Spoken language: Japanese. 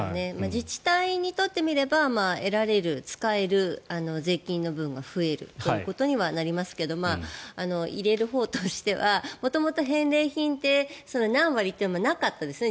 自治体にとってみれば得られる、使える税金の分が増えるということにはなりますけど入れるほうとしては元々、返礼品って何割というのはなかったですよね。